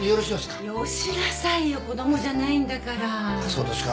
そうどすか。